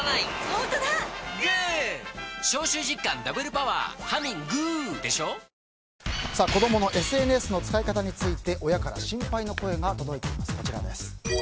パソコンってこうやってるだけで子供のＳＮＳの使い方について親から心配の声が届いています。